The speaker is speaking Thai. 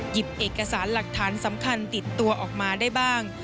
เอกสารหลักฐานสำคัญติดตัวออกมาได้บ้าง